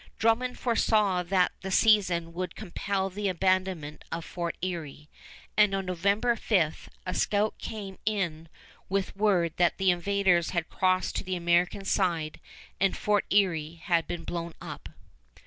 Drummond foresaw that the season would compel the abandonment of Fort Erie, and on November 5, a scout came in with word that the invaders had crossed to the American side and Fort Erie had been blown up.